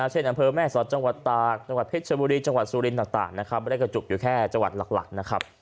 อำเภอแม่สอดจังหวัดตากจังหวัดเพชรชบุรีจังหวัดสุรินต่างนะครับไม่ได้กระจุกอยู่แค่จังหวัดหลักนะครับ